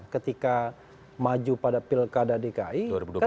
ketika maju pada pilkada dki